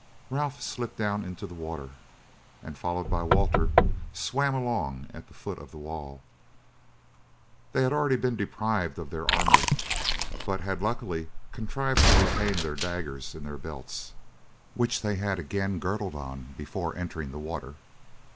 Ralph slipped down into the water, and followed by Walter swam along at the foot of the wall. They had already been deprived of their armour, but had luckily contrived to retain their daggers in their belts, which they had again girdled on before entering the water.